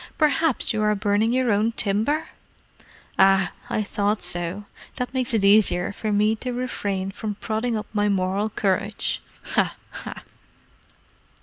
Perhaps you are burning your own timber?—ah, I thought so. That makes it easier for me to refrain from prodding up my moral courage—ha, ha!"